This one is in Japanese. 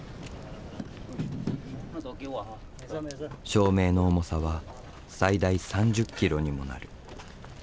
照明の重さは最大３０ｋｇにもなる。